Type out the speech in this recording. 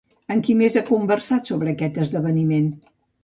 Amb qui més ha conversat sobre aquest esdeveniment?